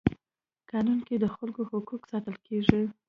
قانون کي د خلکو حقوق ساتل کيږي.